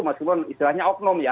meskipun istilahnya oknum ya